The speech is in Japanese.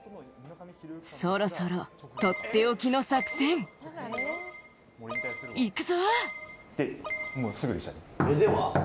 そろそろ、とっておきの作戦、行くぞ。